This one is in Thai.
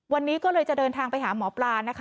วันนี้ก็เลยจะเดินทางไปหาหมอปลานะคะ